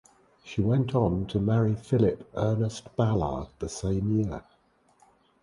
She went on to marry Philip Ernest Ballard the same year.